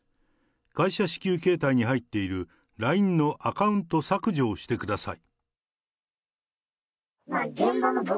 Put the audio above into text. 会社支給携帯に入っているＬＩＮＥのアカウント削除をしてください。